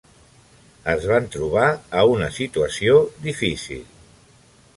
Es van trobar a una situació difícil.